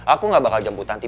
aku gak bakal jemput nanti